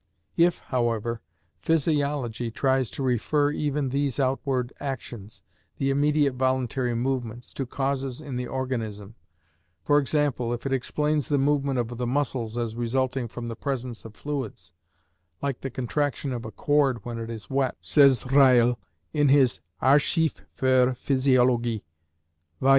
If, however, physiology tries to refer even these outward actions, the immediate voluntary movements, to causes in the organism,—for example, if it explains the movement of the muscles as resulting from the presence of fluids ("like the contraction of a cord when it is wet," says Reil in his "Archiv für Physiologie," vol.